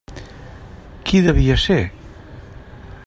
Qui devia ser?